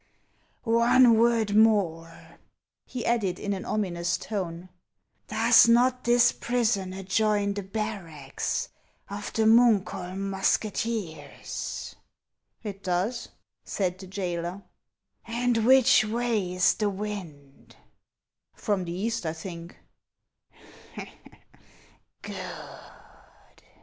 One word more," he added in an ominous tone. " Does not this prison adjoin the barracks of the Munkholm musketeers ?"" It does," said the jailer. " And which way is the wind ?"" From the east, I think."